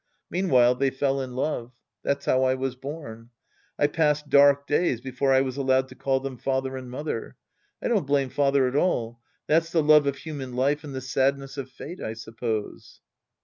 Meanwhile they fell in love. That's how I was born. I passed dark days before I was allowed to call them father and mother. I don't blame father at all. That's the love of human life and the sadness of fate, I suppose.